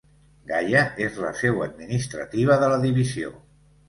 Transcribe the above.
Gaya és la seu administrativa de la divisió.